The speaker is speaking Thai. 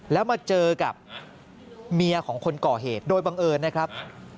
แล้วมาเจอกับเมียของคนก่อเหตุโดยบังเอิญนะครับ